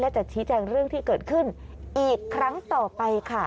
จะชี้แจงเรื่องที่เกิดขึ้นอีกครั้งต่อไปค่ะ